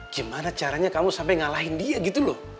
gimana caranya kamu sampai ngalahin dia gitu loh